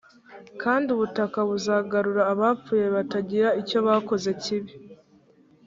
kandi ubutaka buzagarura abapfuye batagira icyo bakoze kibi